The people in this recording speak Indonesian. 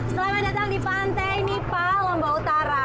selamat datang di pantai nipah lombok utara